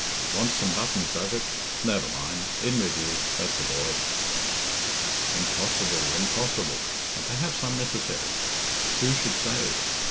Wants some buttons, does it? Never mind in with you that's a boy." Impossible, impossible! And perhaps unnecessary. Who should say?